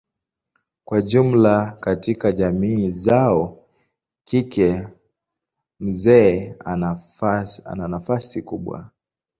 Kwa jumla katika jamii zao kike mzee ana nafasi kubwa.